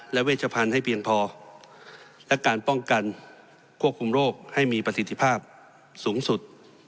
และการป้องกันควบคุมโรคให้มีประสิทธิภาพสูงสุด